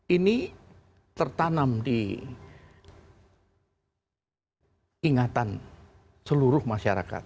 ini tertanam di ingatan seluruh masyarakat